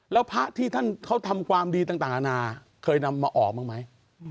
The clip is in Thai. แล้วพระที่ท่านเขาทำความดีต่างนานาเคยนำมาออกบ้างไหม